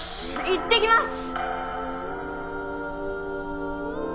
いってきます！